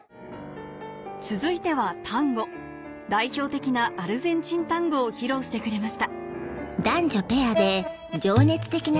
続いてはタンゴ代表的なアルゼンチンタンゴを披露してくれました